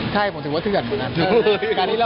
ใช่ผมถือว่าเถื่อนเหมือนกัน